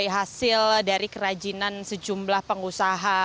hasil dari kerajinan sejumlah pengusaha